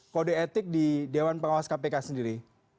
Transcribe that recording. kode etik di dewan pengawas kpk sendiri